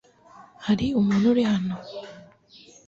Hari umuntu uri hano?